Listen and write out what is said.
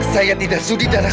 saya tidak sudi darahku